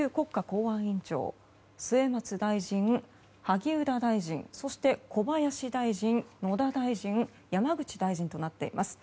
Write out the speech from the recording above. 公安委員長末松大臣萩生田大臣、小林大臣、野田大臣山口大臣となっています。